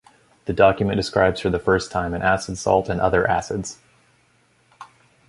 The document describes, for the first time, an acid salt and other acids.